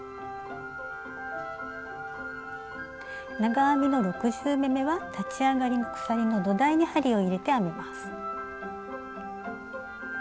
長編みの６０目めは立ち上がりの鎖の土台に針を入れて編みます。